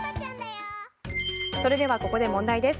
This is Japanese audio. それではここで問題です。